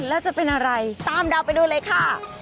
แล้วจะเป็นอะไรตามดาวไปดูเลยค่ะ